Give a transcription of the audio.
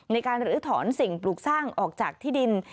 หรือถอนสิ่งปลูกสร้างออกจากที่ดิน